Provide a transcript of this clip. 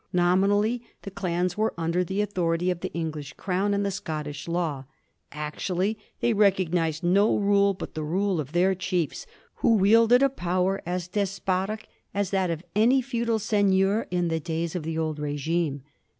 Nomi nally the clans were under the authority of the English Crown and the Scottish law; actually they recognized no rule but the rule of their chiefs, who wielded a power as despotic as that of any feudal seigneur in the days of the old regime.